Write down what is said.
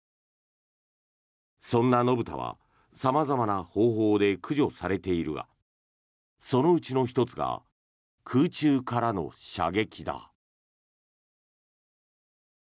そんな野豚は様々な方法で駆除されているがそのうちの１つが空中からの射撃だ。